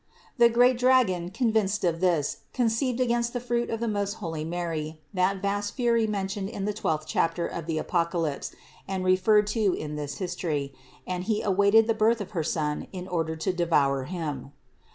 The great dragon, convinced of this, conceived against the fruit of the most 287 288 CITY OF GOD holy Mary that vast fury mentioned in the twelfth chap ter of the Apocalypse and referred to in this history, and he awaited the birth of her Son in order to devour Him.